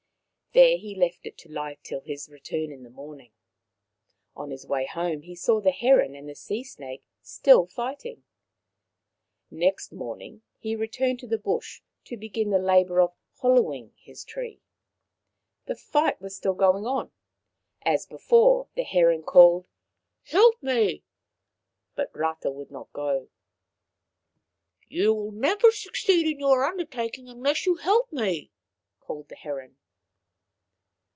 There he left it to lie till his return in the morning. On his way home he saw the heron and sea snake still fighting. i62 Maoriland Fairy Tales Next morning he returned to the bush to begin the labour of hollowing his tree. The fight was still going on. As before, the heron called: " Help me," but Rata would not go. " You will never succeed in your undertaking unless you help me," called the heron.